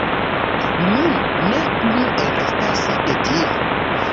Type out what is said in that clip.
Nun ne plu restas de tio.